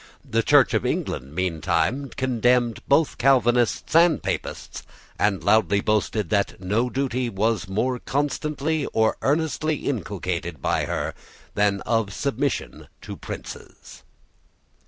The Church of England meantime condemned both Calvinists and Papists, and loudly boasted that no duty was more constantly or earnestly inculcated by her than that of submission to princes.